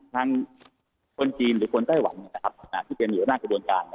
ทั้งคนจีนหรือคนไต้หวันครับน่ะที่เป็นอยู่ล่ากระบวนการน่ะ